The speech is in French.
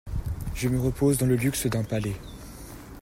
Je me repose dans le luxe d'un palais.